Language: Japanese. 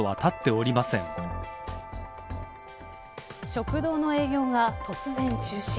食堂の営業が突然中止。